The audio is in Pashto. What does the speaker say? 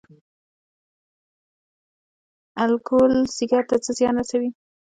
الکول ځیګر ته څه زیان رسوي؟